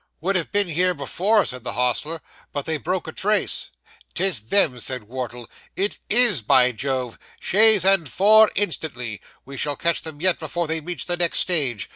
'Would have been here before,' said the hostler, 'but they broke a trace.' ''Tis them!' said Wardle, 'it is, by Jove! Chaise and four instantly! We shall catch them yet before they reach the next stage.